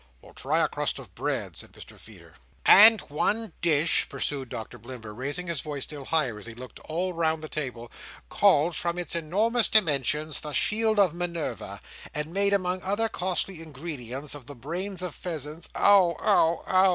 "Or try a crust of bread," said Mr Feeder. "And one dish," pursued Doctor Blimber, raising his voice still higher as he looked all round the table, "called, from its enormous dimensions, the Shield of Minerva, and made, among other costly ingredients, of the brains of pheasants—" "Ow, ow, ow!"